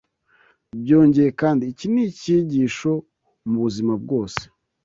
Byongeye kandi, iki ni icyigisho mu buzima bwose